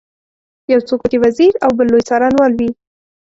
یو څوک په کې وزیر او بل لوی څارنوال وي.